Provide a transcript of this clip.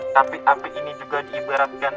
tapi api ini juga diibaratkan